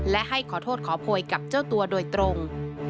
และให้ขอโทษขอโพยกับเจ้าตัวโดยตรง